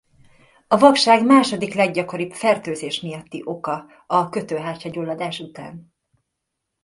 A vakság második leggyakoribb fertőzés miatti oka a kötőhártya-gyulladás után.